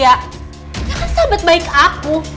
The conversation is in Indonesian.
ya sahabat baik aku